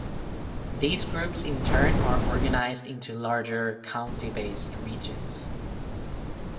These groups in turn are organised into larger county-based regions.